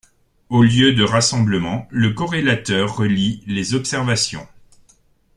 Au lieu de rassemblement, le corrélateur relit les observations.